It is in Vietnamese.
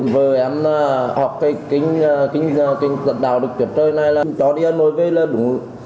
vừa em học cái kinh dân đạo đức chúa trời này là chó đi hà nội với là đúng